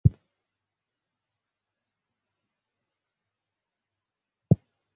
আব্বু-আম্মু তাদের দেয়া কথামতো আমাকে কিছুই জিজ্ঞেস করে নি।